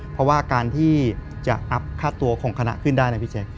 เพราะว่าการที่จะอัพค่าตัวของคณะขึ้นได้นะพี่แจ๊ค